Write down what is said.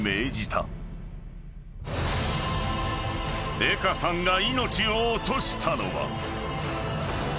［江歌さんが命を落としたのは］